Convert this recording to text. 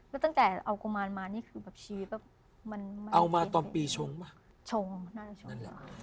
แล้วตั้งแต่เอากุมารมานี่คือแบบชี้แบบมันเอามาตอนปีชงป่ะชงน่าจะชงนั่นแหละ